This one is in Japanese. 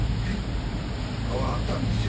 会わはったんですよ